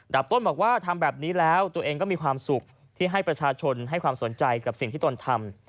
ต้นบอกว่าทำแบบนี้แล้วตัวเองก็มีความสุขที่ให้ประชาชนให้ความสนใจกับสิ่งที่ตนทำ